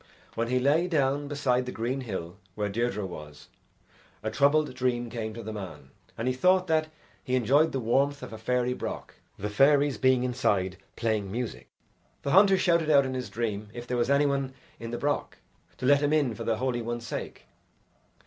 When he lay down beside the green hill where Deirdre was, a troubled dream came to the man, and he thought that he enjoyed the warmth of a fairy broch, the fairies being inside playing music. The hunter shouted out in his dream if there was any one in the broch, to let him in for the Holy One's sake.